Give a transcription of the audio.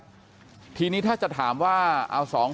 อยู่ดีมาตายแบบเปลือยคาห้องน้ำได้ยังไง